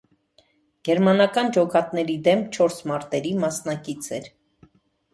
Գերմանական ջոկատների դեմ չորս մարտերի մասնակից էր։